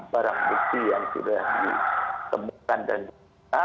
barang bukti yang sudah disebutkan dan diperiksa